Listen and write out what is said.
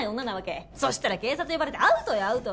そしたら警察呼ばれてアウトよアウト。